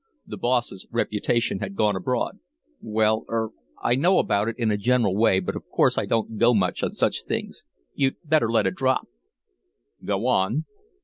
The boss's reputation had gone abroad. "Well er I know about it in a general way, but of course I don't go much on such things. You'd better let it drop." "Go on."